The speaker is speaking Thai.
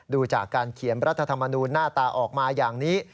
ดูจากการเขียนรัฐธรรมนูลหน้าตาออกมาอย่างนี้